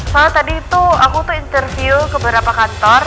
soalnya tadi tuh aku tuh interview ke beberapa kantor